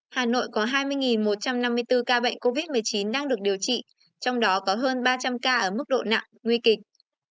hà nội có hai mươi một trăm năm mươi bốn ca bệnh covid một mươi chín đang được điều trị trong đó có hơn ba trăm linh ca ở mức độ nặng nguy kịch